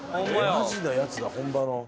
マジのやつだ本場の。